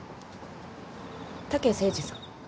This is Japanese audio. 武誠治さん。